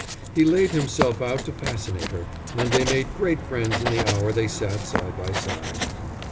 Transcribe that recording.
He laid himself out to fascinate her, and they made great friends in the hour they sat side by side.